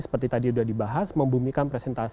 seperti tadi sudah dibahas membumikan presentasi